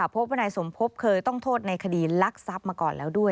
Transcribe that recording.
พบว่านายสมภพเคยต้องโทษในคดีลักทรัพย์มาก่อนแล้วด้วย